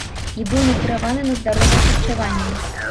І быў накіраваны на здаровае харчаванне.